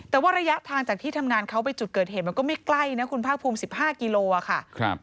แต่ว่าระยะทางจากที่ทำงานเขาไปจุดเกิดเหตุมันก็ไม่ใกล้นะคุณภาคภูมิ๑๕กิโลค่ะ